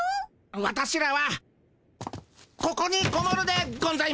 ワタシらはここにこもるでゴンざいます。